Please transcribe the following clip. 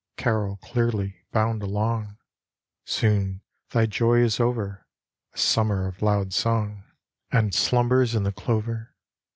Carol clearly, bound along, Soon thy joy is over, A summer of loud song, And slumbers in the clover.